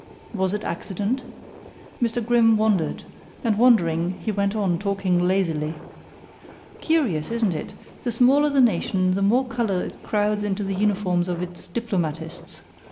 Was it accident? Mr. Grimm wondered, and wondering he went on talking lazily: "Curious, isn't it, the smaller the nation the more color it crowds into the uniforms of its diplomatists?